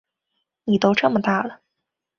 妳都这么大了